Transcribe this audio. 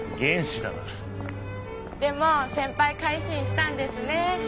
でも先輩改心したんですね。